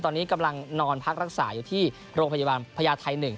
ตอนนี้กำลังนอนพักรักษาอยู่ที่โรงพยาบาลพญาไทย๑